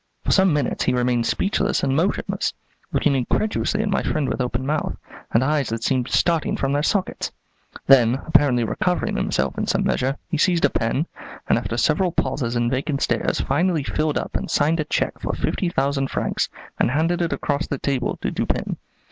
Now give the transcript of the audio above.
For some minutes he remained speechless and motionless, looking incredulously at my friend with open mouth, and eyes that seemed starting from their sockets; then, apparently recovering himself in some measure, he seized a pen, and after several pauses and vacant stares finally filled up and signed a check for fifty thousand francs and handed it across the table to Dupin.